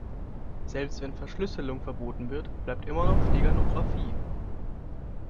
Selbst wenn Verschlüsselung verboten wird, bleibt immer noch Steganographie.